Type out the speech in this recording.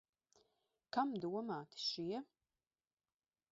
Kam domāti šie?